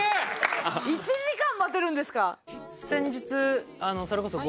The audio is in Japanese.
１時間待てるんですか？